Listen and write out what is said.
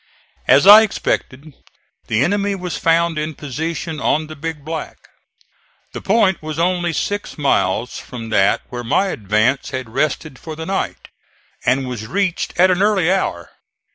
As I expected, the enemy was found in position on the Big Black. The point was only six miles from that where my advance had rested for the night, and was reached at an early hour.